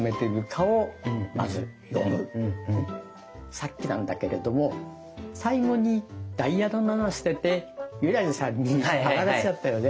さっきなんだけれども最後に「ダイヤの７」捨てて優良梨さんにあがらせちゃったよね。